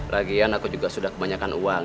lagian aku juga sudah kebanyakan uang